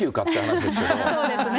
そうですね。